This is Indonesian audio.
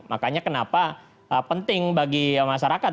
makanya kenapa penting bagi masyarakat